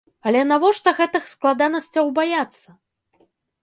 Але навошта гэтых складанасцяў баяцца?